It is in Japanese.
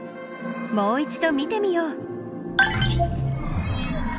もう一度見てみよう。